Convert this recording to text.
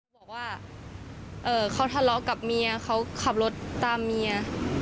บอกว่าเขาทะเลาะกับเมียเขาขับรถตามเมีย